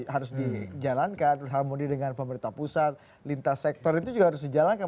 harus dijalankan harmoni dengan pemerintah pusat lintas sektor itu juga harus dijalankan